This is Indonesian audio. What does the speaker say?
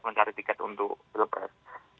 mencari tiket untuk pilpres